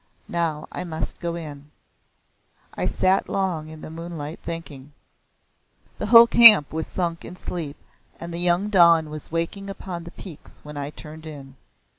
Now I must go in." I sat long in the moonlight thinking. The whole camp was sunk in sleep and the young dawn was waking upon the peaks when I turned in.